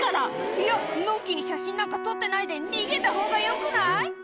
いやのんきに写真なんか撮ってないで逃げたほうがよくない？